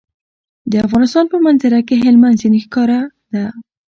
د افغانستان په منظره کې هلمند سیند ښکاره ده.